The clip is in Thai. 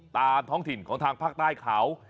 ตามท้องถิ่นของทางภาคใต้เขา